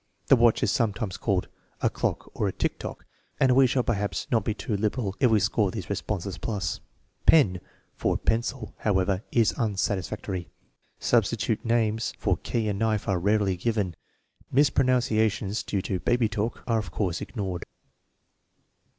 The watch is sometimes called " a clock " or a tick tock," and we shall perhaps not be too liberal if we score these responses plus. " Pen " for " pencil," however, is unsatisfactory. Substitute names for " key " and "knife" are rarely given. Mispronunciations due to baby talk are of course ignored.